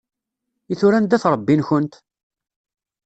I tura anda-t Ṛebbi-nkent?